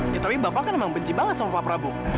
ya tapi bapak kan emang benci banget sama pak prabowo